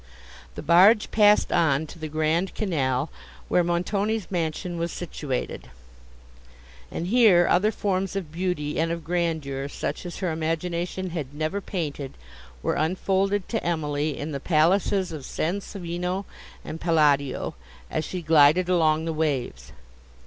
The barge passed on to the grand canal, where Montoni's mansion was situated. And here, other forms of beauty and of grandeur, such as her imagination had never painted, were unfolded to Emily in the palaces of Sansovino and Palladio, as she glided along the waves.